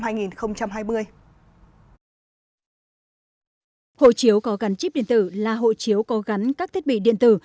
hộ chiếu có gắn chip điện tử là hộ chiếu có gắn các thiết bị điện tử